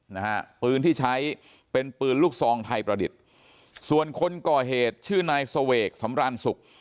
นะฮะปืนที่ใช้เป็นปืนลูกซองไทยประดิษฐ์ส่วนคนก่อเหตุชื่อนายเสวกสำรานสุข